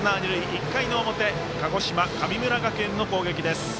１回の表鹿児島、神村学園の攻撃です。